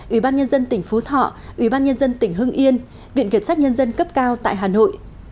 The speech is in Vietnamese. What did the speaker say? ủy ban nhân dân tỉnh phú thọ ủy ban nhân dân tỉnh hưng yên viện kiểm sát nhân dân cấp cao tại hà nội